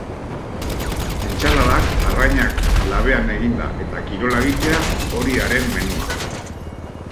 Entsaladak, arrainak labean eginda eta kirola egitea, hori haren menua.